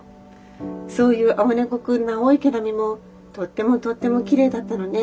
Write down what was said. そういうあおねこくんのあおいけなみもとってもとってもきれいだったのね」。